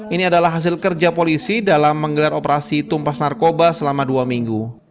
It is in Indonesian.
ini adalah hasil kerja polisi dalam menggelar operasi tumpas narkoba selama dua minggu